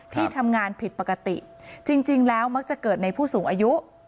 ที่ทำงานผิดปกติจริงแล้วมักจะเกิดในผู้สูงอายุ